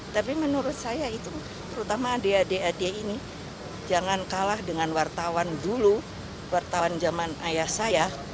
tapi menurut saya itu terutama adik adik adik ini jangan kalah dengan wartawan dulu wartawan zaman ayah saya